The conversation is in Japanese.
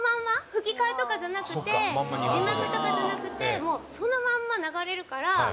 吹き替えとかじゃなくて字幕とかじゃなくてもう、そのまんま流れるから。